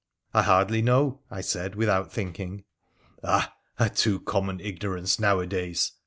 I hardly know,' I said, without thinking. ' Ah ! a too common ignorance nowadays